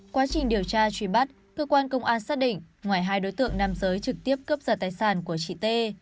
quá trình điều tra truy bắt cơ quan công an xác định ngoài hai đối tượng nam giới trực tiếp cướp giật tài sản của chị t